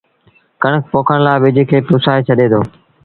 ڪڻڪ پوکڻ لآ ٻج کي پُسآئي ڇڏي دو